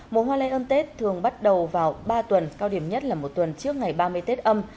mùa hoa lây ơn tết thường bắt đầu vào ba tuần cao điểm nhất là một tuần trước ngày ba mươi tết âm